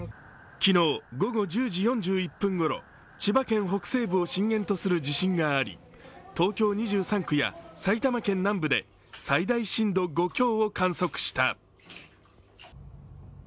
昨日午後１０時４１分頃、千葉県北西部を震源とする地震があり、東京２３区や埼玉県南部で最大震度５強を観測した。